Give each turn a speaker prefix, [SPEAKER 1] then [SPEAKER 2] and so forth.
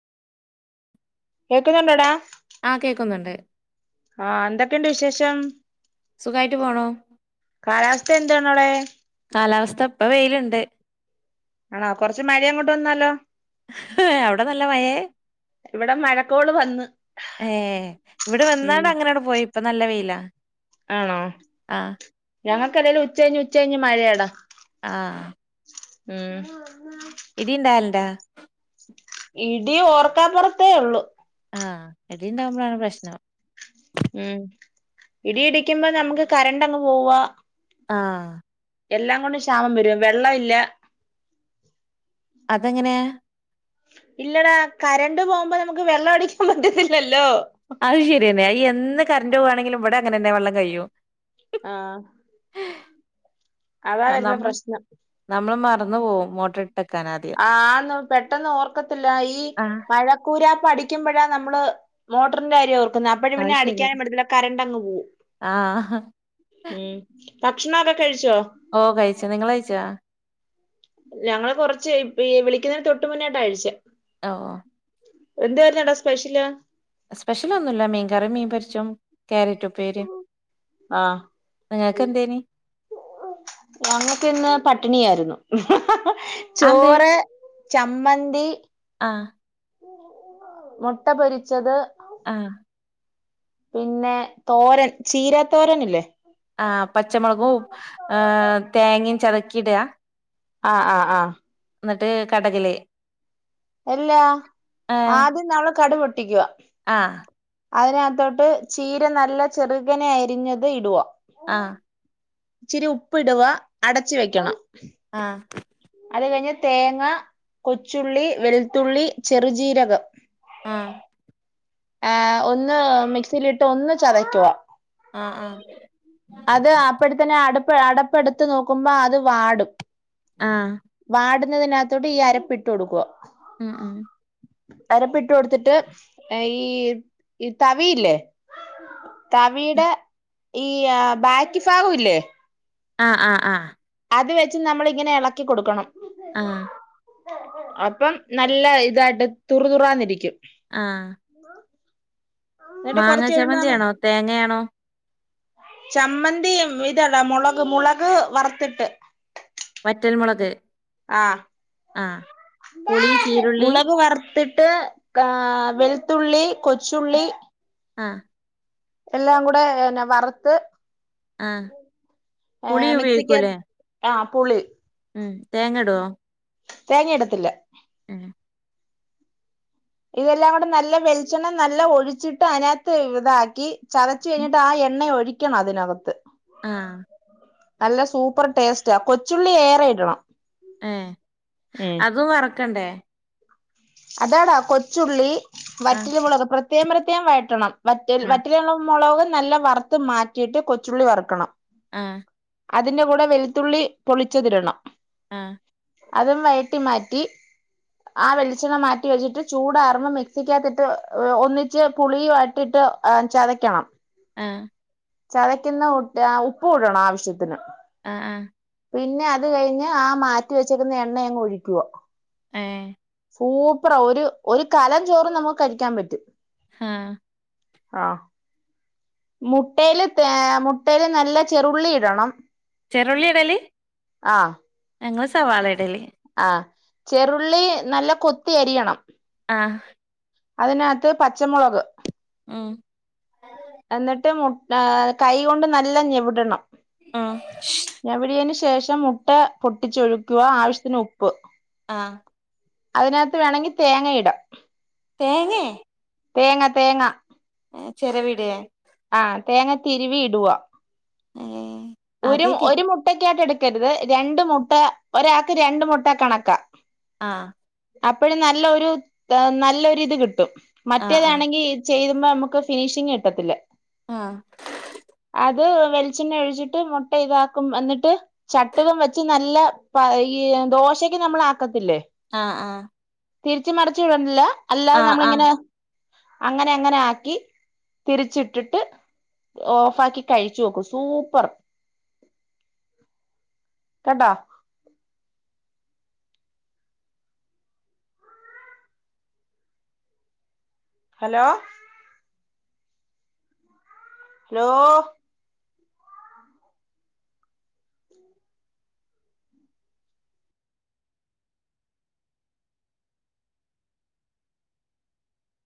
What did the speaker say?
[SPEAKER 1] കേക്ക്ന്നുണ്ടോടാ?
[SPEAKER 2] ആഹ് കേക്കുന്നുണ്ട്.
[SPEAKER 1] ആഹ് എന്തൊക്കെണ്ട് വിശേഷം?
[SPEAKER 2] സുഖായിട്ട് പോണൂ
[SPEAKER 1] കാലാവസ്ഥ എന്താണ് അവിടെ?
[SPEAKER 2] കാലാവസ്ഥ പ്പ വെയില്ണ്ട്.
[SPEAKER 1] ആണോ കൊറച്ച് മഴയങ്ങോട്ട് തന്നാലോ?
[SPEAKER 2] അവിടെ നല്ല മയേ?
[SPEAKER 1] ഇവിടെ മഴക്കോള് വന്ന്
[SPEAKER 2] ഏഹ് വിടെ
[SPEAKER 1] ഉം
[SPEAKER 2] വന്നാണ്ടങ്ങനെട് പോയി. പ്പൊ നല്ല വെയിലാ.
[SPEAKER 1] ആണോ
[SPEAKER 2] ആ
[SPEAKER 1] ഞങ്ങക്കന്തേലും ഉച്ച കയ്ഞ്ഞ് ഉച്ച കയ്ഞ്ഞ് മഴേടാ.
[SPEAKER 2] ആഹ്
[SPEAKER 1] ഉം
[SPEAKER 2] ഇടിണ്ടാവല്ണ്ടാ?
[SPEAKER 1] ഇടി ഓർക്കാപൊറത്തേയൊള്ളൂ.
[SPEAKER 2] ആഹ് ഇടീണ്ടാവുമ്പളാണ് പ്രശ്നം
[SPEAKER 1] ഉം ഇടി ഇടിക്കുമ്പോ നമുക്ക് കറണ്ടങ്ങ് പോവാ
[SPEAKER 2] ആഹ്
[SPEAKER 1] എല്ലാം കൊണ്ടും ക്ഷാമം വരും വെള്ളം ഇല്ല.
[SPEAKER 2] അതെങ്ങനെയാ?
[SPEAKER 1] ഇല്ലെടാ കരണ്ട് പോകുമ്പോ നമുക്ക് വെള്ളഅടിക്കാൻ പറ്റത്തില്ലല്ലോ?
[SPEAKER 2] അഹ് ശെരിയെന്നെ അഹ് എന്ന് കറന്റ് പോവാണെങ്കിലും വ്ടെങ്ങനെന്നെ വെള്ളം കഴിയും.
[SPEAKER 1] ആഹ് അതാ വര്ന
[SPEAKER 2] നമ്മൾ
[SPEAKER 1] പ്രശ്നം.
[SPEAKER 2] നമ്മള് മറന്ന് പോവും മോട്ട്റ് ട്ടക്കാനാ ആദ്യ
[SPEAKER 1] ആന്ന് പെട്ടെന്ന് ഓർക്കത്തില്ല ഈ
[SPEAKER 2] ആ
[SPEAKER 1] മഴ ക്കൂരാ പടിക്കുമ്പഴാ നമ്മള് മോട്ട്രിന്റെ കാര്യ ഓർ ക്കുന്നേ അപ്പഴു
[SPEAKER 2] അത്
[SPEAKER 1] പിന്നെ
[SPEAKER 2] ശരി
[SPEAKER 1] അടിക്ക്യാനും പറ്റത്തില്ല കറണ്ട് അങ്ങ് പോവും
[SPEAKER 2] ആ
[SPEAKER 1] ഉം ഭക്ഷണൊക്കെ കഴിച്ചോ
[SPEAKER 2] ഓ കഴിച്ച് നിങ്ങള് കഴിച്ചാ
[SPEAKER 1] ഞങ്ങള് കൊറച്ച് വി വിളിക്ക്ന്നെന് തൊട്ട് മുന്നേട്ട കഴ്ചേ
[SPEAKER 2] ഓ
[SPEAKER 1] എന്താര്ന്നടാ സ്പെഷ്യല്
[SPEAKER 2] സ്പെഷ്യല് ഒന്നുല്ല മീൻകറിം മീൻ പൊര്ച്ചും കേരറ്റ് ഉപ്പേരിം
[SPEAKER 1] ആ
[SPEAKER 2] നിങ്ങക്കെന്തേനി
[SPEAKER 1] ഞങ്ങക്ക് ഇന്ന് പട്ടിണിയായിരുന്നു
[SPEAKER 2] അതെന്തേ
[SPEAKER 1] ചോറ് ചമ്മന്തി
[SPEAKER 2] ആഹ്
[SPEAKER 1] മുട്ട പൊരിച്ചത്
[SPEAKER 2] ആ
[SPEAKER 1] പിന്നെ തോരൻ ചീര തോരനില്ലേ
[SPEAKER 2] ആ പച്ച മൊളകു തേങ്ങി ചതക്കിടാ
[SPEAKER 1] ആ ആ ആ
[SPEAKER 2] ന്നട്ട് കടകില്
[SPEAKER 1] എല്ലാ ആദ്യം നമ്മള് കടു പൊട്ടിക്യുവാ
[SPEAKER 2] ആ
[SPEAKER 1] അതിനകത്തോട്ട് ചീര നല്ല ചെറുകനെ അരിഞ്ഞത് ഇടുവാ
[SPEAKER 2] ആ
[SPEAKER 1] ഇച്ചിരി ഉപ്പ് ഇടുവ അടച്ച് വെക്കണം
[SPEAKER 2] ആ
[SPEAKER 1] അത് കഴിഞ്ഞ് തേങ്ങ കൊച്ചുള്ളി വെൾത്തുള്ളി ചെറുജീരകം
[SPEAKER 2] ആ
[SPEAKER 1] ആ ഒന്ന് മിക്സിലിട്ട് ഒന്ന് ചതക്കുവാ
[SPEAKER 2] ആ ആ
[SPEAKER 1] അത് അപ്പഴത്തന്നെ അടുപ്പ് അടപ്പെടുത്ത് നോക്കുമ്പോ അത് വാടും
[SPEAKER 2] ആ
[SPEAKER 1] വാടുന്നതിനകത്തോട്ട് ഈ അരപ്പിട്ട് കോടുക്കുവ
[SPEAKER 2] ഉം ഉം
[SPEAKER 1] അരപ്പിട്ട് കൊടുത്തിട്ട് ഈ ഇ തവിയില്ലേ തവീടെ ഈ ബെക്കി ഫാഗുല്ലേ
[SPEAKER 2] ആ ആ ആഹ്
[SPEAKER 1] അത് വെച്ച് നമ്മളിങ്ങനെ എളക്കി കൊടുക്കണം
[SPEAKER 2] ആ
[SPEAKER 1] അപ്പം നല്ല ഇതായിട്ട് തുറുതുറാന്നിരിക്യും
[SPEAKER 2] ആ
[SPEAKER 1] എന്നിട്ട്
[SPEAKER 2] മാങ്ങ
[SPEAKER 1] കൊറച്ച് കഴിയുമ്പോ നമ്മ-
[SPEAKER 2] ചമ്മന്തിയാണോ തേങ്ങെണോ
[SPEAKER 1] ചമ്മന്തി ഇതടാ മൊളക് മുളക് വറത്തിട്ട്
[SPEAKER 2] വറ്റൽ മൊളക്
[SPEAKER 1] ആഹ്
[SPEAKER 2] പുളി ചീരുള്ളി
[SPEAKER 1] മുളക് വറുത്തിട്ട് ട്ട് ആ വെൾത്തുള്ളി കൊച്ചുള്ളി
[SPEAKER 2] ആഹ്
[SPEAKER 1] എല്ലാകൂടെ എന്നാ വറുത്ത്
[SPEAKER 2] ആഹ് പുളി
[SPEAKER 1] ആഹ് മാക്സിക്കാ
[SPEAKER 2] ഉപയോഗിക്കൂലേ
[SPEAKER 1] ആഹ് പുളി
[SPEAKER 2] ഉം തേങ്ങടോ
[SPEAKER 1] തേങ്ങ ഇടത്തില്ല ഇതെല്ലാം കൂടെ നല്ല വെൾച്ചെണ്ണ നല്ലോ ഒഴിച്ച്ട്ട് ഐനകത്ത് ഇതാക്കി ചതച്ച് കഴ്ഞ്ഞ്ട്ട് ആ എണ്ണ ഒഴി ക്യണം അതിനകത്ത്
[SPEAKER 2] ആഹ്
[SPEAKER 1] നല്ല സൂപ്പർ ടേസ്റ്റാ കൊച്ചുള്ളി ഏറെ ഇടണം
[SPEAKER 2] ഏഹ്
[SPEAKER 1] ഉം
[SPEAKER 2] അതും വറക്കണ്ടേ
[SPEAKER 1] അതാടാ കൊച്ചുള്ളി
[SPEAKER 2] ആഹ്
[SPEAKER 1] വറ്റല് മുളക് പ്രത്യേകം പ്രത്യേകം വഴറ്റണം വറ്റൽ
[SPEAKER 2] ആഹ്
[SPEAKER 1] വറ്റില് പർഞ്ഞ മൊളക് നല്ല വറ്ത്ത് മാറ്റീട്ട് കൊച്ചുള്ളി വറ്ക്കണം
[SPEAKER 2] ആഹ്
[SPEAKER 1] അതിന്റെ കൂടെ വെളുത്തുള്ളി പൊള്ളിച്ചതിടണം
[SPEAKER 2] ആഹ്
[SPEAKER 1] അതും വയട്ടി മാറ്റി ആ വെള് ച്ചണ്ണ മാറ്റി വെച്ച്ട്ട് ചൂടാറ്മ്പോ മിക്സിക്കകത്തിട്ട് ഒന്നിച്ച് പുളിയു ആയിട്ട്ട്ട് ചതക്കണം
[SPEAKER 2] ആഹ്
[SPEAKER 1] ചതക്ക്ന്നട്ട് ഉപ്പൂടണം ആവശ്യത്തിന്
[SPEAKER 2] ആഹ് ആഹ്
[SPEAKER 1] പിന്നെ അത് കഴിഞ്ഞ് ആ മാറ്റി വെച്ചേക്കുന്ന എണ്ണ അങ്ങ് ഒഴിക്കുവ
[SPEAKER 2] ഏഹ്
[SPEAKER 1] സൂപ്പറാ ഒര് ഒരു കലം ചോറ് നമക്ക് കഴിക്ക്യാൻ പറ്റും
[SPEAKER 2] ആഹ്
[SPEAKER 1] ആഹ് മുട്ടേല് തേ മുട്ടേല് നല്ല ചെറുള്ളി ഇടണം
[SPEAKER 2] ചെറുള്ളി ഇടല്
[SPEAKER 1] ആഹ്
[SPEAKER 2] ഞങ്ങള് സവാളെ ഇടല്
[SPEAKER 1] ആഹ് ചെറുള്ളി നല്ല കൊത്തി അരിയണം
[SPEAKER 2] ആഹ്
[SPEAKER 1] അതിനകത്ത് പച്ചമുളക്
[SPEAKER 2] ഉം
[SPEAKER 1] എന്നിട്ട് മു കൈയ്യ കൊണ്ട് നല്ല ഞെവിടണം
[SPEAKER 2] ഉം
[SPEAKER 1] ഞെവിടിയേന് ശേഷം മുട്ട പൊട്ടിച്ചൊഴിക്കുക ആവശ്യത്തിന് ഉപ്പ്
[SPEAKER 2] ആഹ്
[SPEAKER 1] അതിനകത്ത് വേണെങ്കി തേങ്ങയിടാം
[SPEAKER 2] തേങ്ങേ?
[SPEAKER 1] തേങ്ങ തേങ്ങ
[SPEAKER 2] ഏഹ് ചെരവിടേ
[SPEAKER 1] ആഹ് തേങ്ങ തിരുവി ഇടുവാ
[SPEAKER 2] ഏഹ്
[SPEAKER 1] ഒരു
[SPEAKER 2] ആദ്യായിട്ട്
[SPEAKER 1] ഒരു മു ട്ടക്കായിട്ടെടുക്കരുത് രണ്ട് മുട്ട ഒരാക്ക് രണ്ട് മുട്ട കണക്കാ
[SPEAKER 2] ആഹ്
[SPEAKER 1] അപ്പഴും നല്ല ഒരു നല്ലൊരു ഇത് കിട്ടും
[SPEAKER 2] ആഹ്
[SPEAKER 1] മറ്റേതാണെങ്കി ചെയ്യുമ്പോ നമക്ക് ഫിനിഷിങ് കിട്ടത്തില്ല
[SPEAKER 2] ആഹ്
[SPEAKER 1] അത് വെൾച്ചിണ്ണ ഒഴിച്ച്ട്ട് മുട്ട ഇതാക്കും എന്നിട്ട് ചട്ടുകം വെച്ച് നല്ല പ ഈ ദോശയ്ക്ക് നമ്മളാക്കത്തില്ലേ
[SPEAKER 2] ആഹ്, ആഹ്
[SPEAKER 1] തിരിച്ചും മർച്ചും ഇടണ്ടല്ലോ, അല്ലാതെ
[SPEAKER 2] ആഹ് ആഹ്
[SPEAKER 1] നമ്മളിങ്ങനെ അങ്ങനെ അങ്ങനെ ആക്കി തിരിച്ചിട്ട് ട്ട് ഓഫാക്കി കഴിച്ചു നോക്കു സൂപ്പർ കേട്ടോ? ഹലോ? ഹലോ?